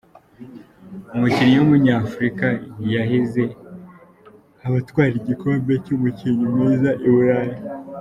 Umukinnyi Wumuny’Afurika yahize abatwara igikombe cy’umukinnyi mwiza i Burayi